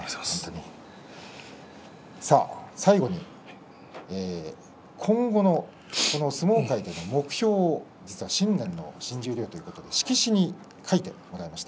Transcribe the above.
最後に今後の相撲界での目標を新年の新十両ということで色紙に書いてもらいました。